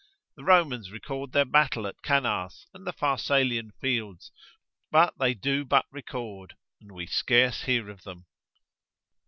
The Romans record their battle at Cannas, and Pharsalian fields, but they do but record, and we scarce hear of them.